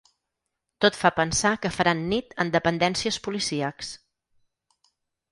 Tot fa pensar que faran nit en dependències policíacs.